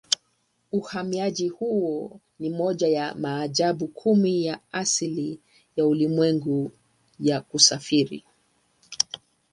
Uhamiaji huo ni moja ya maajabu kumi ya asili ya ulimwengu ya kusafiri.